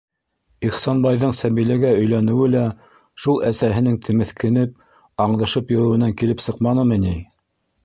Ихсанбайҙың Сәбиләгә өйләнеүе лә шул әсәһенең темеҫкенеп, аңдышып йөрөүенән килеп сыҡманымы ни?